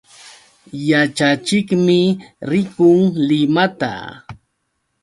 Yaćhachiqmi rikun Limata.